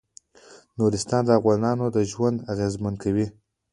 نورستان د افغانانو ژوند اغېزمن کوي.